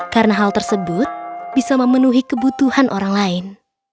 karena hal tersebut bisa memenuhi kebutuhan orang lain